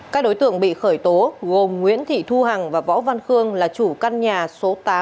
các đối tượng bị khởi tố gồm nguyễn thị thu hằng và võ văn khương là chủ căn nhà số tám